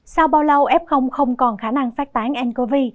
sau bao lâu f không còn khả năng phát tán ncov